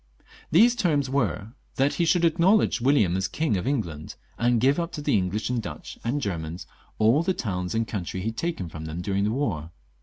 These terms were, that he should acknowledge William as King of England, and give up to the English and Dutch and Germans all the towns and country he had taken from them during the war.